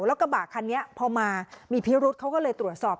แล้วกระบะคันนี้พอมามีพิรุษเขาก็เลยตรวจสอบ